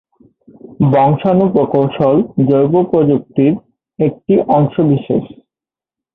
বংশাণু প্রকৌশল জৈব প্রযুক্তির একটি অংশবিশেষ।